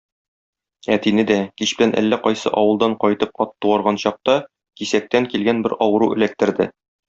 Әтине дә, кич белән әллә кайсы авылдан кайтып ат туарган чакта, кисәктән килгән бер авыру эләктерде.